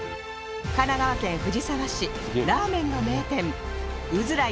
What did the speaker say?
神奈川県藤沢市ラーメンの名店